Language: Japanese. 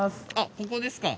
ここですか。